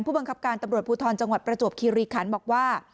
บังคับการตำรวจภูทรจังหวัดประจวบคิริคันบอกว่า